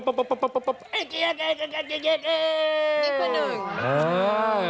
นี่คือหนึ่ง